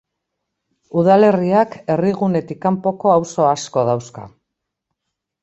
Udalerriak herrigunetik kanpoko auzo asko dauzka.